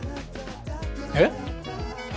えっ！？